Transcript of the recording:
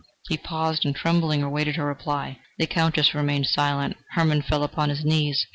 He paused and tremblingly awaited her reply. The Countess remained silent; Hermann fell upon his knees.